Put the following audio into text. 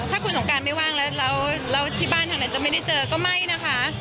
ถ้าคุณสงการไม่ว่างแล้วที่บ้านทางไหนจะไม่ได้เจอก็ไม่นะคะ